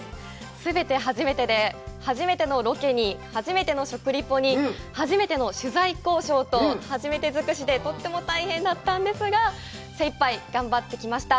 全て初めてで、初めてのロケに初めての食リポに初めての取材交渉と初めて尽くしで、とっても大変だったんですが、精いっぱい頑張ってきました。